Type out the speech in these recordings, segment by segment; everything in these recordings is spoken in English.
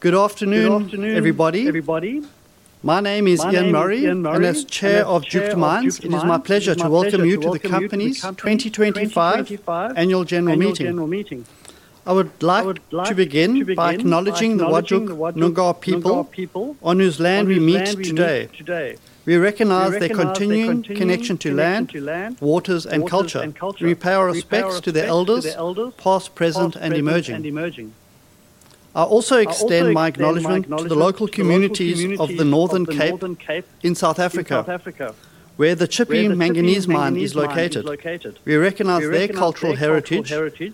Good afternoon, everybody. My name is Ian Murray, and as Chair of Jupiter Mines, it is my pleasure to welcome you to the company's 2025 Annual General Meeting. I would like to begin by acknowledging the Whadjuk Noongar people, on whose land we meet today. We recognize their continuing connection to land, waters, and culture. We pay our respects to their elders, past, present, and emerging. I also extend my acknowledgment to the local communities of the Northern Cape in South Africa, where the Tshipi Manganese Mine is located. We recognize their cultural heritage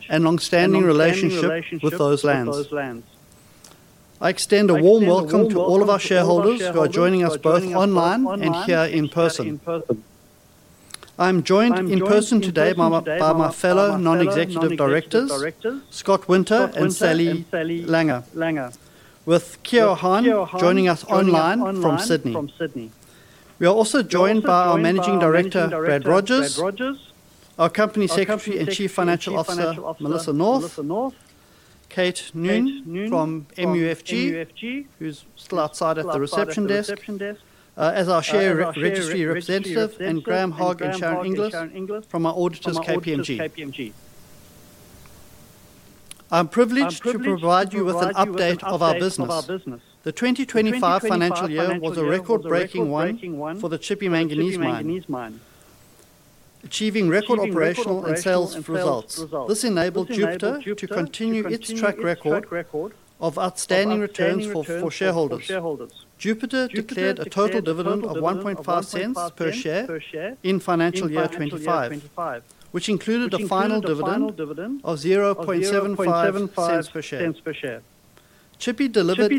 and long-standing relationship with those lands. I extend a warm welcome to all of our shareholders who are joining us both online and here in person. I am joined in person today by my fellow non-executive directors, Scott Winter and Sally Langer, with Kiho Han, joining us online from Sydney. We are also joined by our Managing Director, Brad Rogers, our Company Secretary and Chief Financial Officer, Melissa North, Kate Nguyen from MUFG, who's still outside at the reception desk, as our share registry representative, and Graham Hogg and Sharon Inglis from our auditors, KPMG. I'm privileged to provide you with an update of our business. The 2025 financial year was a record-breaking one for the Tshipi Manganese Mine, achieving record operational and sales results. This enabled Jupiter to continue its track record of outstanding returns for shareholders. Jupiter declared a total dividend of 0.015 per share in financial year 2025, which included a final dividend of 0.75 per share. Tshipi delivered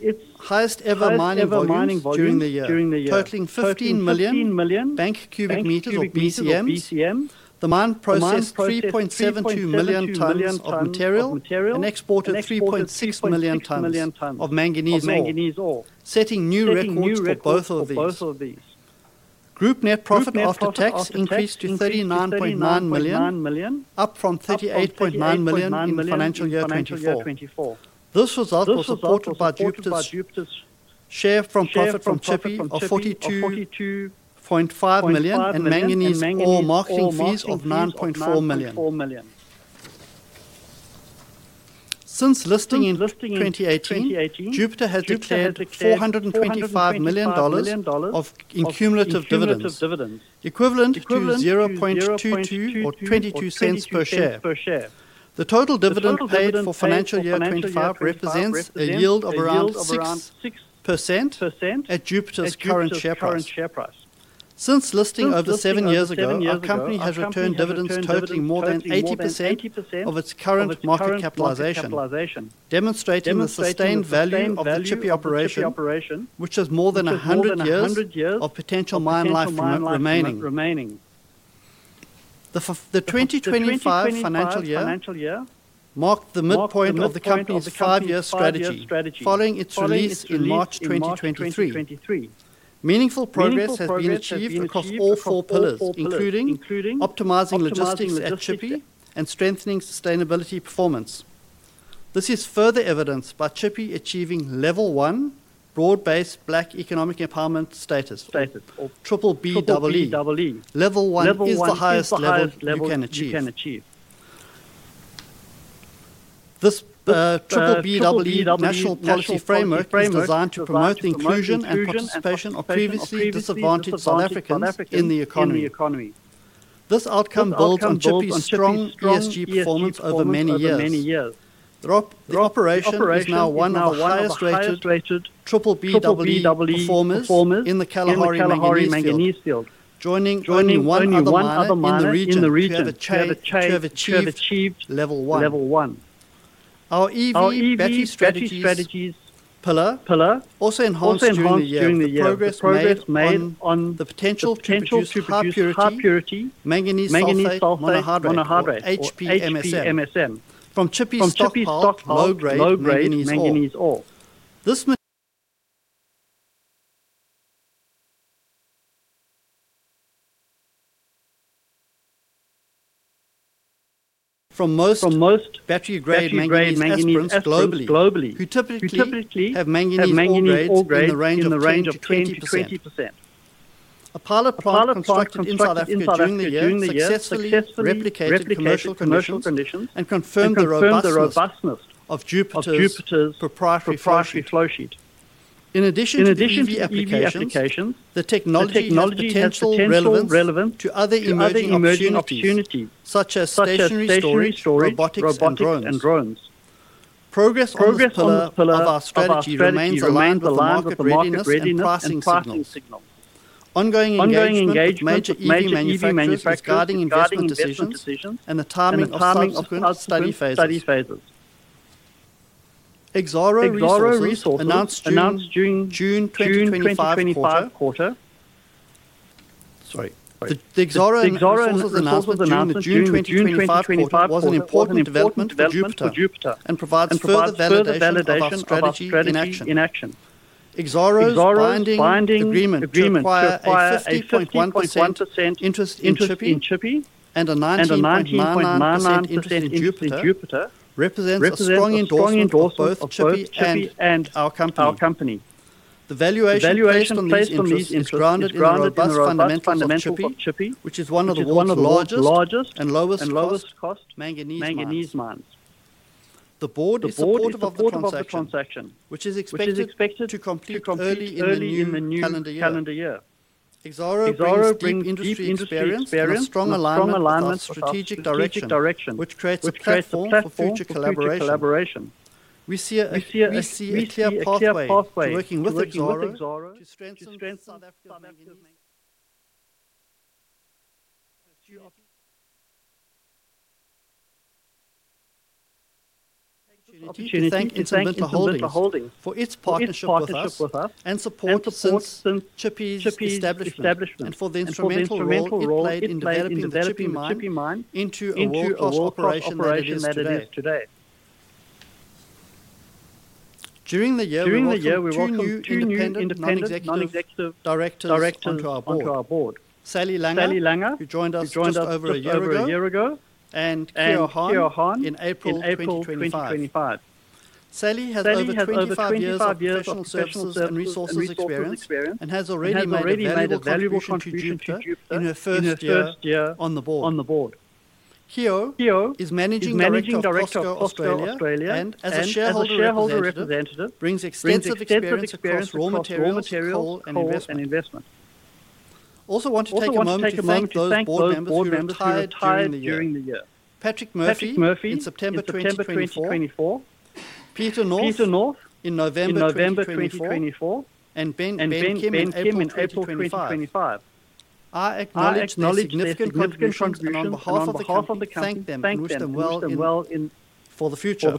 its highest-ever mining volume during the year, totaling 15 million bank cubic meters, or BCMs. The mine processed 3.72 million tonnes of material and exported 3.6 million tonnes of manganese ore, setting new records for both of these. Group net profit after tax increased to 39.9 million, up from 38.9 million in financial year 2024. This result was supported by Jupiter's share from profit from Tshipi of 42.5 million and manganese ore marketing fees of 9.4 million. Since listing in 2018, Jupiter has declared 425 million dollars in cumulative dividends, equivalent to 0.22 or 0.22 cents per share. The total dividend paid for financial year 2025 represents a yield of around 6% at Jupiter's current share price. Since listing over seven years ago, our company has returned dividends totaling more than 80% of its current market capitalization, demonstrating the sustained value of the Tshipi operation, which has more than 100 years of potential mine life remaining. The 2025 financial year marked the midpoint of the company's five-year strategy, following its release in March 2023. Meaningful progress has been achieved across all four pillars, including optimizing logistics at Tshipi and strengthening sustainability performance. This is further evidenced by Tshipi achieving Level 1 Broad-Based Black Economic Empowerment status, or BBBEE. Level 1 is the highest level you can achieve. This BBBEE National Policy Framework is designed to promote the inclusion and participation of previously disadvantaged South Africans in the economy. This outcome builds on Tshipi's strong ESG performance over many years. The operation is now one of the highest-rated BBBEE performers in the Kalahari Manganese Field, joining one other in the region to have achieved Level 1. Our EV Battery Strategy strategy pillar also enhanced during the year progress made on the potential to pump pure manganese sulfide on a hard rake HPMSM from Tshipi's stocked low-grade manganese ore. this from most battery-grade manganese at globally, we typically have manganese ore in the range of 20%. A pilot project in South Africa was successfully replicated to commercial conditions and confirmed the robustness of Jupiter's proprietary flowsheet. In addition to applications, the technology tends to be relevant to other emerging opportunities, such as stationary storage, robotics, and drones. Progress on this pillar of our strategy remains aligned with the market's pricing signals. Ongoing engagement with major EV manufacturers regarding investment decisions and the timing of study phases. Exxaro Resources announced during June 2025 quarter. The Exxaro announcement in June 2025 was an important development for Jupiter and provides a valid strategy in action. Exxaro's binding agreement requires a 51% interest in Tshipi and a 99% interest in Jupiter, represents a strong endorsement of both Tshipi and our company. The valuation based on these is grounded on the fundamentals of Tshipi, which is one of the largest and lowest-cost manganese mines. The board is supporting the transaction, which is expected to complete early in the calendar year. Exxaro brings industry experience and strong alignment with strategic direction, which creates a path for future collaboration. We see a clear pathway to working with Exxaro to strengthen to ensure its partnership with us and support Tshipi's establishment, and for the instrumental role it played in developing Tshipi Mine into a core operation that it is today. During the year, we brought new independent non-executive directors onto our board. Sally Langer, who joined us over a year ago, and Kiho Han in April 2025. Sally has over 25 years of special services and resources experience and has already made a valuable contribution in her first year on the board. Kiho is Managing Director of Australia and, as a shareholder representative, brings extensive experience across raw materials and investment. I also want to take a moment to thank those board members who joined during the year. Patrick Murphy in September 2024, Peter North in November 2024, and Ben Kim in April 2025. I acknowledge the significant contributions on behalf of the company. Thank them and wish them well for the future.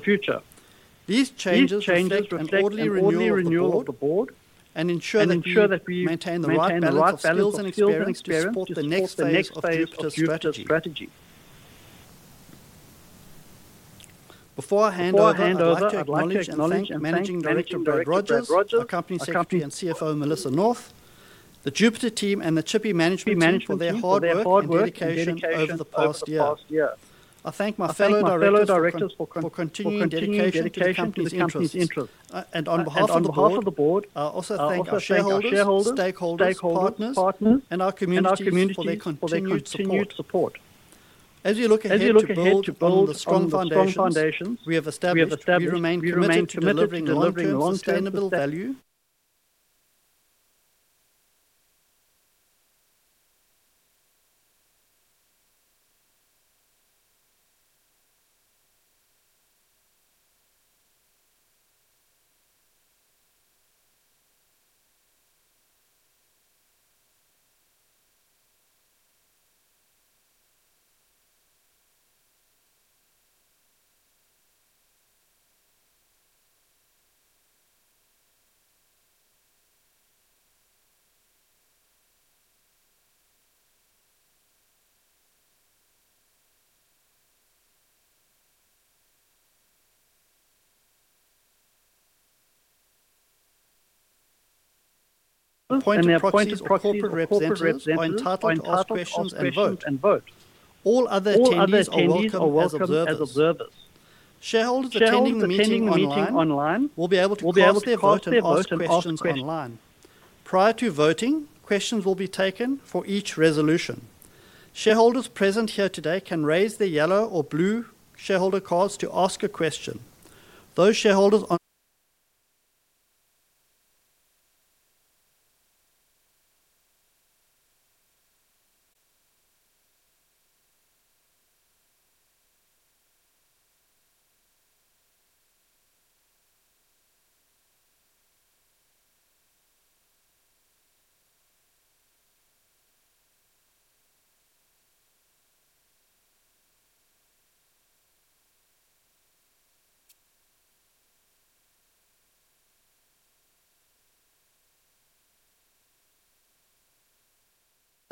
These changes are broadly renewal of the board and ensure that we maintain the right values and skills and experience to support the next phase of the strategy. Before I hand over to acknowledge Managing Director Brad Rogers, our company's CFO, Melissa North, the Jupiter team, and the Tshipi management for their hard work and dedication over the past year. I thank my fellow directors for continuing dedication to the company's interests. On behalf of the board, I also thank our shareholders, stakeholders, partners, and our community for their continued support. As we look ahead to build a strong foundation, we have established we remain committed to delivering sustainable value. Point and questions are open for public participation and vote. All other attendees only are observers. Shareholders attending the meeting online will be able to vote and ask questions online. Prior to voting, questions will be taken for each resolution. Shareholders present here today can raise their yellow or blue shareholder cards to ask a question. Those shareholders on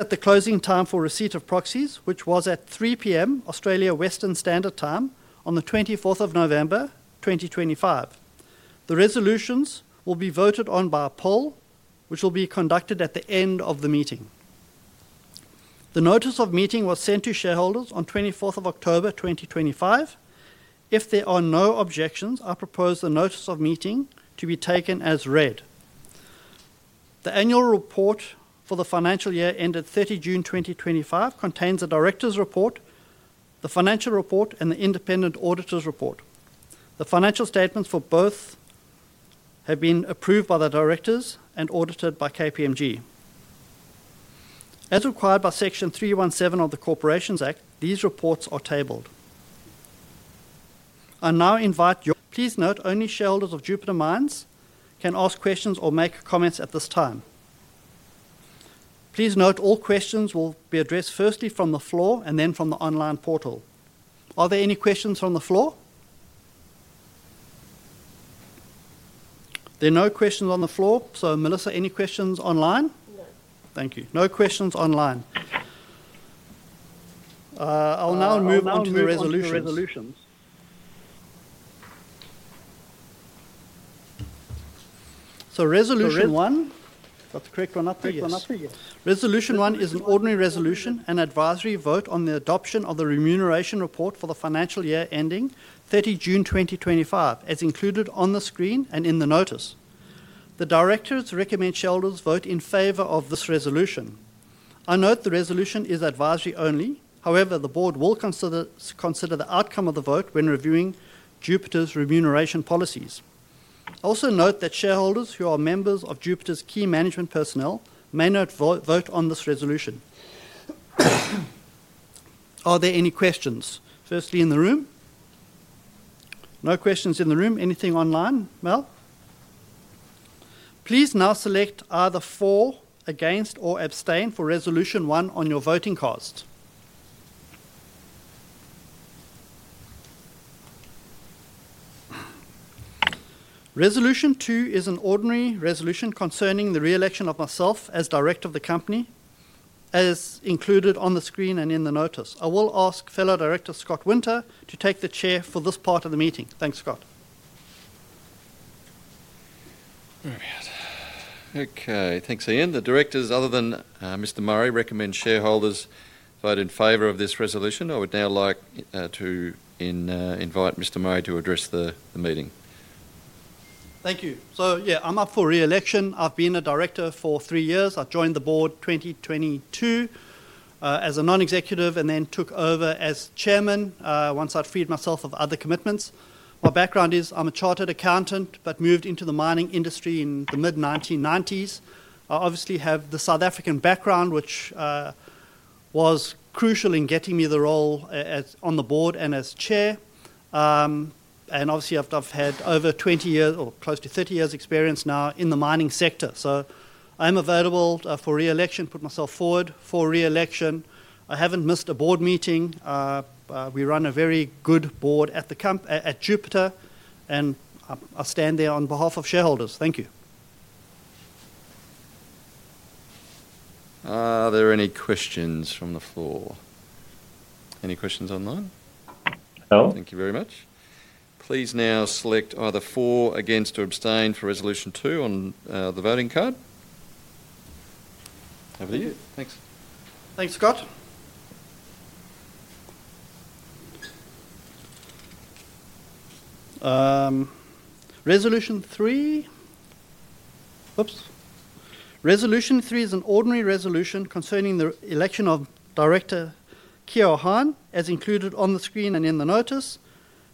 the closing time for receipt of proxies, which was at 3:00 P.M. Australia Western Standard Time on the 24th of November 2025. The resolutions will be voted on by a poll, which will be conducted at the end of the meeting. The notice of meeting was sent to shareholders on the 24th of October 2025. If there are no objections, I propose the notice of meeting to be taken as read. The annual report for the financial year ended 30 June 2025 contains the director's report, the financial report, and the independent auditor's report. The financial statements for both have been approved by the directors and audited by KPMG. As required by Section 317 of the Corporations Act, these reports are tabled. I now invite. Please note only shareholders of Jupiter Mines can ask questions or make comments at this time. Please note all questions will be addressed firstly from the floor and then from the online portal. Are there any questions from the floor? There are no questions on the floor. Melissa, any questions online? No. Thank you. No questions online. I'll now move on to the resolutions. Resolution 1. Got the correct one up there? Yes. Resolution 1 is an ordinary resolution, an advisory vote on the adoption of the remuneration report for the financial year ending 30 June 2025, as included on the screen and in the notice. The directors recommend shareholders vote in favor of this resolution. I note the resolution is advisory only. However, the board will consider the outcome of the vote when reviewing Jupiter's remuneration policies. I also note that shareholders who are members of Jupiter's key management personnel may not vote on this resolution. Are there any questions? Firstly, in the room? No questions in the room. Anything online? Mel? Please now select either for, against, or abstain for Resolution 1 on your voting cost. Resolution 2 is an ordinary resolution concerning the re-election of myself as director of the company, as included on the screen and in the notice. I will ask fellow director Scott Winter to take the chair for this part of the meeting. Thanks, Scott. Okay. Thanks, Ian. The directors, other than Mr. Murray, recommend shareholders vote in favor of this resolution. I would now like to invite Mr. Murray to address the meeting. Thank you. Yeah, I'm up for re-election. I've been a director for three years. I joined the board 2022 as a non-executive and then took over as chairman once I'd freed myself of other commitments. My background is I'm a chartered accountant but moved into the mining industry in the mid-1990s. I obviously have the South African background, which was crucial in getting me the role on the board and as chair. Obviously, I've had over 20 years or close to 30 years' experience now in the mining sector. I'm available for re-election, put myself forward for re-election. I haven't missed a board meeting. We run a very good board at Jupiter, and I stand there on behalf of shareholders. Thank you. Are there any questions from the floor? Any questions online? No. Thank you very much. Please now select either for, against, or abstain for Resolution 2 on the voting card. Over to you. Thanks. Thanks, Scott. Resolution 3. Oops. Resolution 3 is an ordinary resolution concerning the election of Director Kiho Han, as included on the screen and in the notice.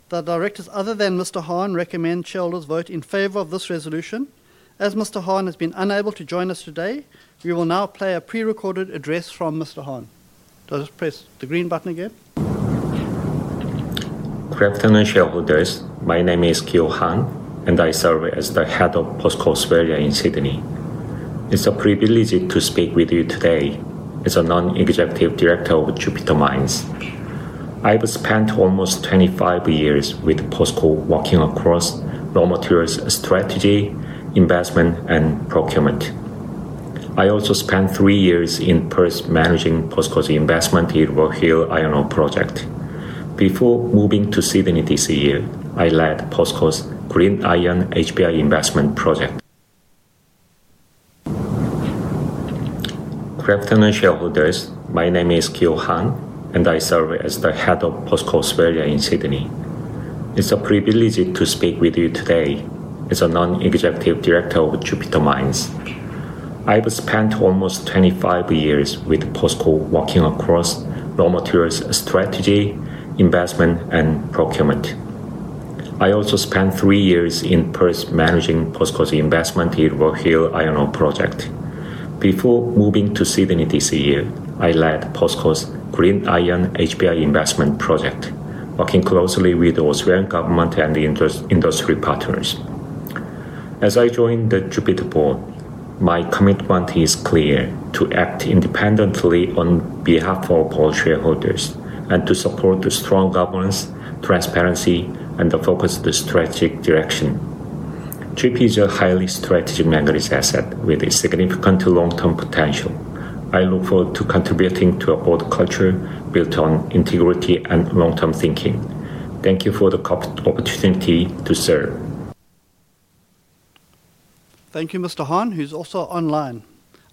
The directors, other than Mr. Han, recommend shareholders vote in favor of this resolution. As Mr. Han has been unable to join us today, we will now play a pre-recorded address from Mr. Han. Just press the green button again. Great. Financial address. My name is Kiho Han, and I serve as the head of Posco Australia in Sydney. It's a privilege to speak with you today as a non-executive director of Jupiter Mines. I've spent almost 25 years with Posco, working across raw materials strategy, investment, and procurement. I also spent three years in Perth managing Posco's investment in the Rock Hill Iron Ore project. Before moving to Sydney this year, I led Posco's Green Iron HPI investment project. Great. Financial holders. My name is Kiho Han, and I serve as the head of Posco Australia in Sydney. It's a privilege to speak with you today as a non-executive director of Jupiter Mines. I've spent almost 25 years with Posco, working across raw materials strategy, investment, and procurement. I also spent three years in Perth managing Posco's investment in the Rock Hill Iron Ore project. Before moving to Sydney this year, I led Posco's Green Iron HPI investment project, working closely with the Australian government and industry partners. As I joined the Jupiter board, my commitment is clear: to act independently on behalf of all shareholders and to support the strong governance, transparency, and the focus of the strategic direction. Jupiter is a highly strategic manganese asset with significant long-term potential. I look forward to contributing to a board culture built on integrity and long-term thinking. Thank you for the opportunity to serve. Thank you, Mr. Han, who's also online.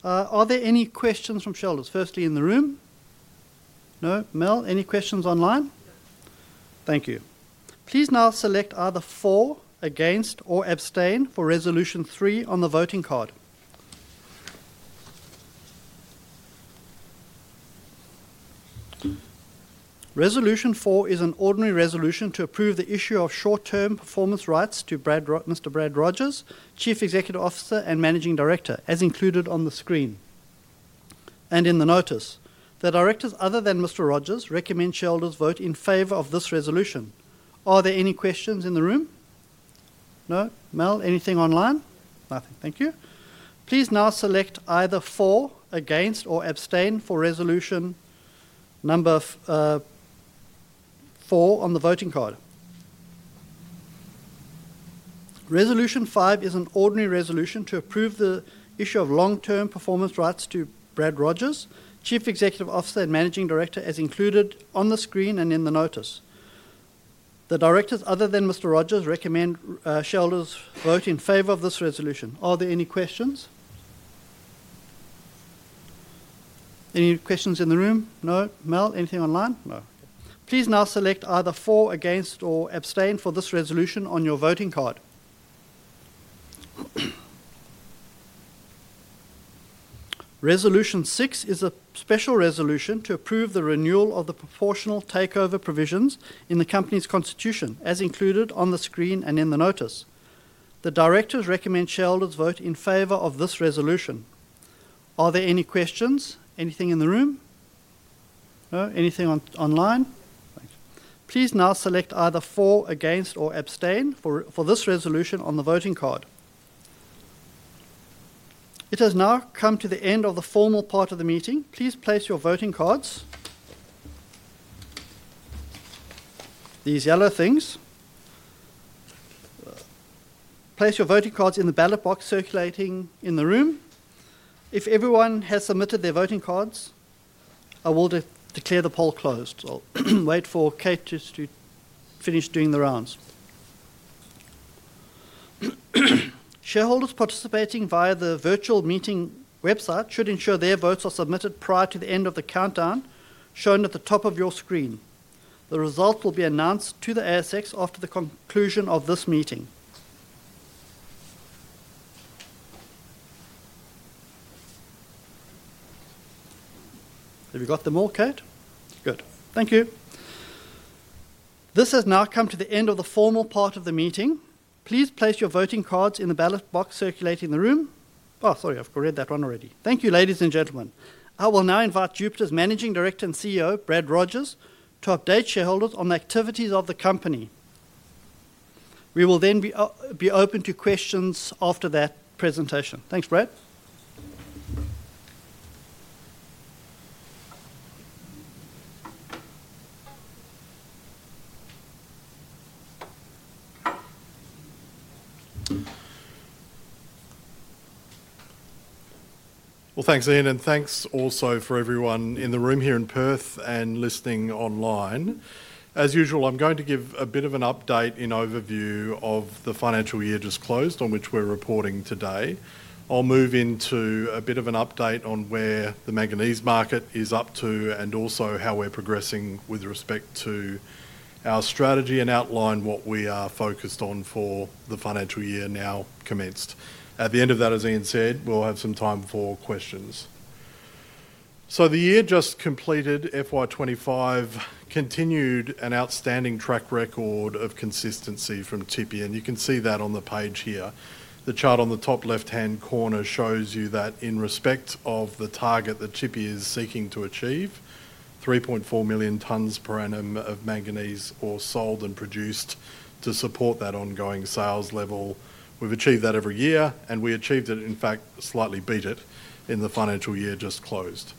Are there any questions from shareholders? Firstly, in the room? No. Mel? Any questions online? Thank you. Please now select either for, against, or abstain for Resolution 3 on the voting card. Resolution 4 is an ordinary resolution to approve the issue of short-term performance rights to Mr. Brad Rogers, Chief Executive Officer and Managing Director, as included on the screen and in the notice. The directors, other than Mr. Rogers, recommend shareholders vote in favor of this resolution. Are there any questions in the room? No. Mel? Anything online? Nothing. Thank you. Please now select either for, against, or abstain for Resolution 4 on the voting card. Resolution 5 is an ordinary resolution to approve the issue of long-term performance rights to Brad Rogers, Chief Executive Officer and Managing Director, as included on the screen and in the notice. The directors, other than Mr. Rogers, recommend shareholders vote in favor of this resolution. Are there any questions? Any questions in the room? No. Mel? Anything online? No. Please now select either for, against, or abstain for this resolution on your voting card. Resolution 6 is a special resolution to approve the renewal of the proportional takeover provisions in the company's constitution, as included on the screen and in the notice. The directors recommend shareholders vote in favor of this resolution. Are there any questions? Anything in the room? No. Anything online? Thank you. Please now select either for, against, or abstain for this resolution on the voting card. It has now come to the end of the formal part of the meeting. Please place your voting cards, these yellow things. Place your voting cards in the ballot box circulating in the room. If everyone has submitted their voting cards, I will declare the poll closed. I'll wait for Kate just to finish doing the rounds. Shareholders participating via the virtual meeting website should ensure their votes are submitted prior to the end of the countdown shown at the top of your screen. The result will be announced to the ASX after the conclusion of this meeting. Have you got them all, Kate? Good. Thank you. This has now come to the end of the formal part of the meeting. Please place your voting cards in the ballot box circulating in the room. Oh, sorry, I have read that one already. Thank you, ladies and gentlemen. I will now invite Jupiter's Managing Director and CEO, Brad Rogers, to update shareholders on the activities of the company. We will then be open to questions after that presentation. Thanks, Brad. Thanks, Ian, and thanks also for everyone in the room here in Perth and listening online. As usual, I am going to give a bit of an update in overview of the financial year just closed on which we are reporting today. I'll move into a bit of an update on where the manganese market is up to and also how we're progressing with respect to our strategy and outline what we are focused on for the financial year now commenced. At the end of that, as Ian said, we'll have some time for questions. The year just completed, FY 2025, continued an outstanding track record of consistency from Tshipi. You can see that on the page here. The chart on the top left-hand corner shows you that in respect of the target that Tshipi is seeking to achieve, 3.4 million tons per annum of manganese were sold and produced to support that ongoing sales level. We've achieved that every year, and we achieved it, in fact, slightly beat it in the financial year just closed.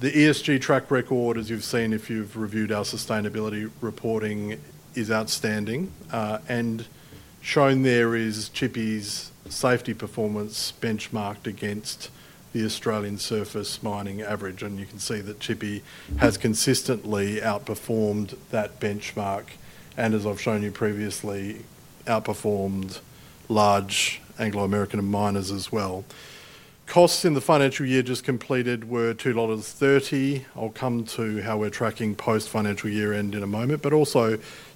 The ESG track record, as you've seen if you've reviewed our sustainability reporting, is outstanding. Tshipi's safety performance benchmarked against the Australian surface mining average. You can see that Tshipi has consistently outperformed that benchmark and, as I've shown you previously, outperformed large Anglo American miners as well. Costs in the financial year just completed were $2.30. I'll come to how we're tracking post-financial year end in a moment.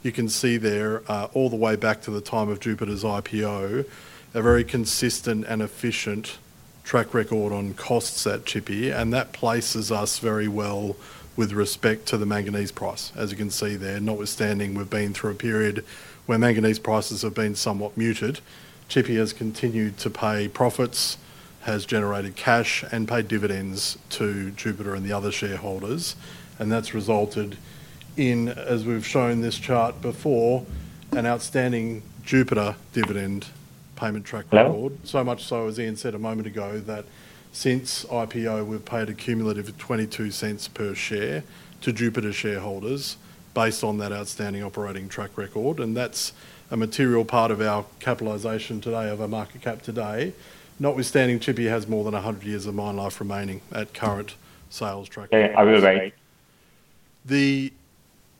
You can see there all the way back to the time of Jupiter Mines' IPO, a very consistent and efficient track record on costs at Tshipi. That places us very well with respect to the manganese price, as you can see there, notwithstanding we've been through a period where manganese prices have been somewhat muted. Tshipi has continued to pay profits, has generated cash, and paid dividends to Jupiter Mines and the other shareholders. That has resulted in, as we've shown this chart before, an outstanding Jupiter dividend payment track record. As Ian said a moment ago, since IPO, we've paid a cumulative 0.22 per share to Jupiter shareholders based on that outstanding operating track record. That's a material part of our capitalization today, of our market cap today. Notwithstanding, Tshipi Mining has more than 100 years of mine life remaining at current sales track. The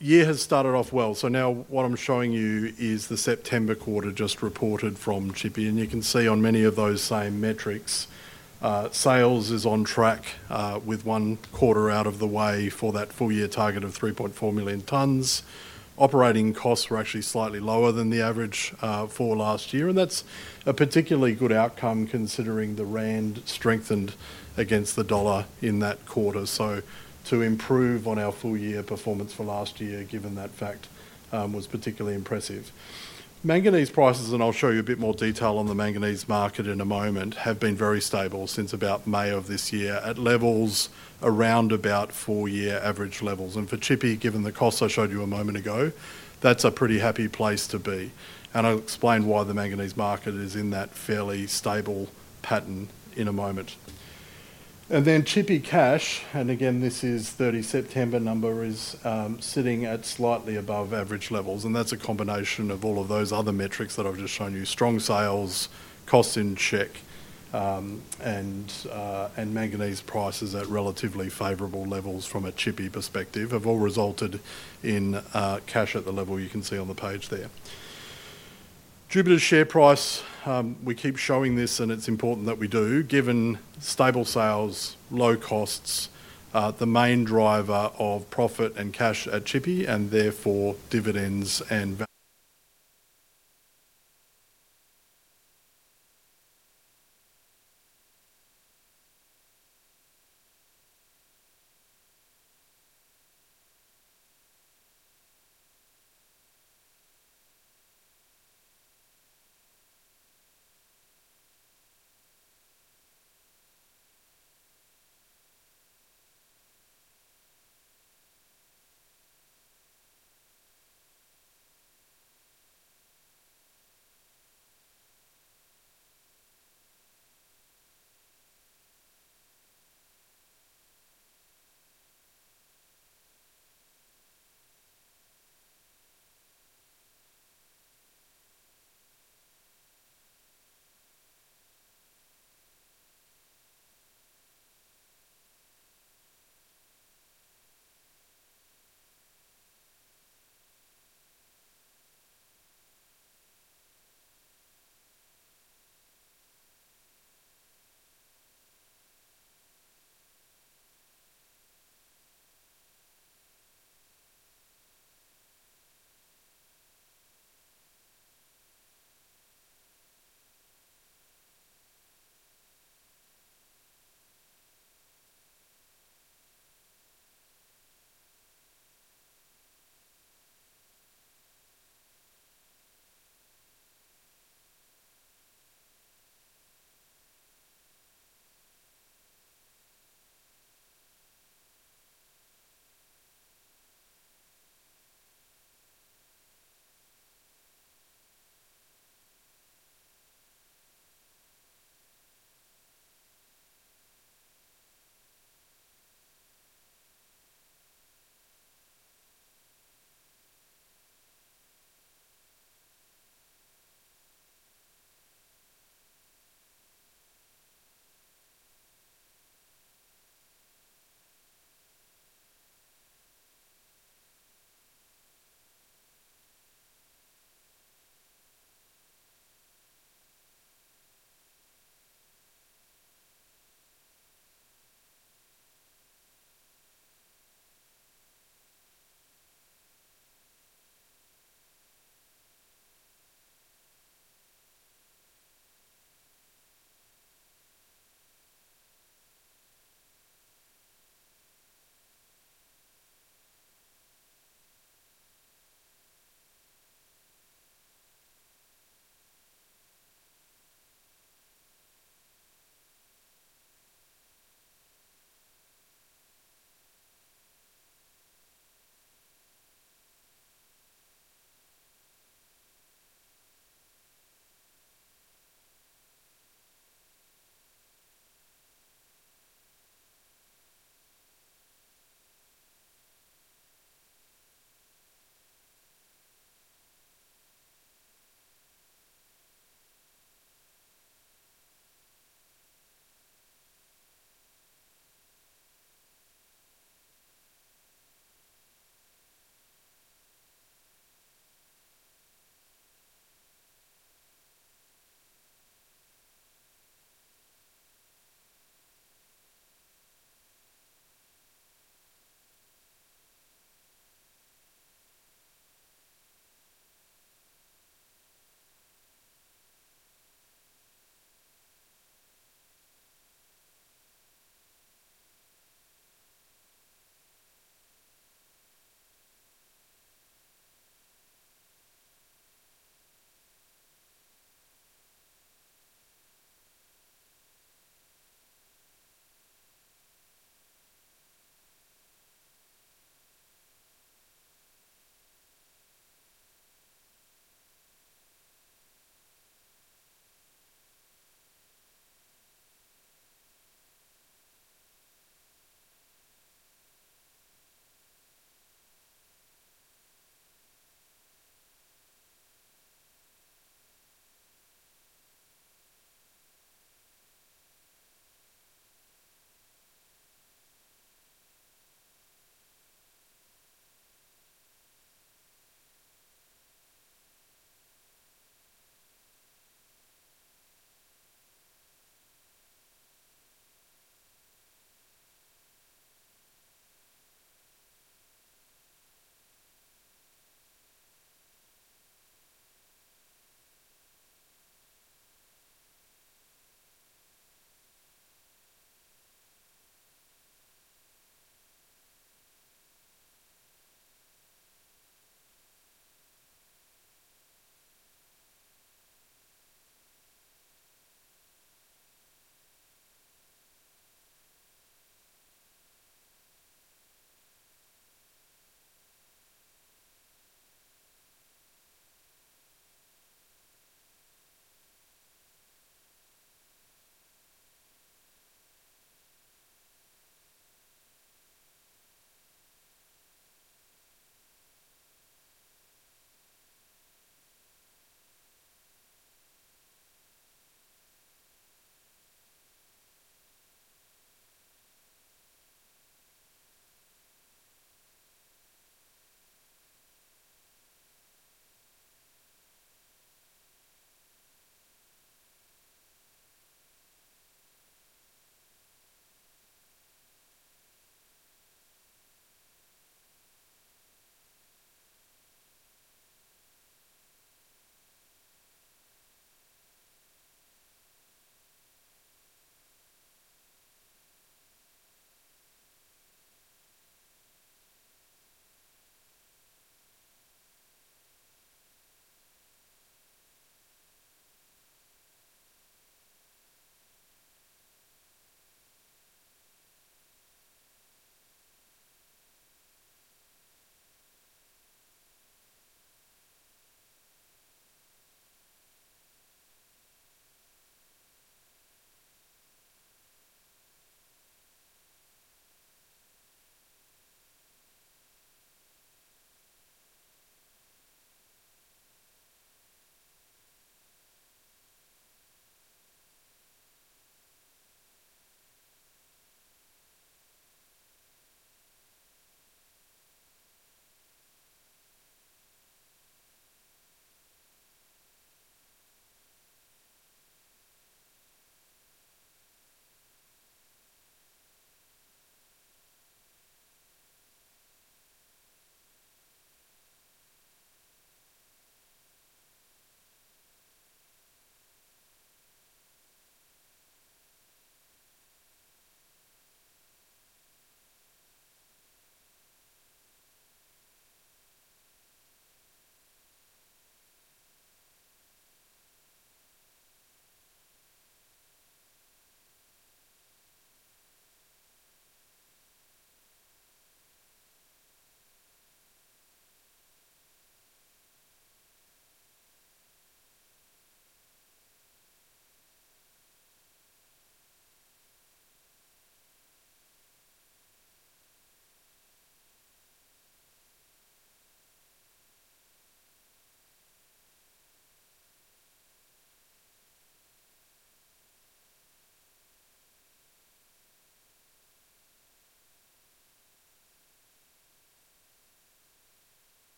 year has started off well. Now what I'm showing you is the September quarter just reported from Tshipi. You can see on many of those same metrics, sales is on track with one quarter out of the way for that full-year target of 3.4 million tons. Operating costs were actually slightly lower than the average for last year. That's a particularly good outcome considering the Rand strengthened against the dollar in that quarter. To improve on our full-year performance for last year, given that fact, was particularly impressive. Manganese prices, and I'll show you a bit more detail on the manganese market in a moment, have been very stable since about May of this year at levels around about four-year average levels. For Tshipi, given the costs I showed you a moment ago, that's a pretty happy place to be. I'll explain why the manganese market is in that fairly stable pattern in a moment. Tshipi cash, and again, this is 30 September number, is sitting at slightly above average levels. That's a combination of all of those other metrics that I've just shown you: strong sales, cost in check, and manganese prices at relatively favorable levels from a Tshipi perspective have all resulted in cash at the level you can see on the page there. Jupiter's share price, we keep showing this, and it's important that we do, given stable sales, low costs, the main driver of profit and cash at Tshipi, and therefore dividends. A pleasure to all. Are there any questions? Anything in the room? No? Anything online? Please now select either for,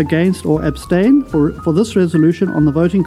against, or abstain for this resolution on the voting.